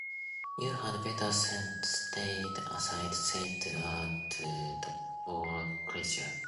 “You had better stand aside,” said I to the poor creature.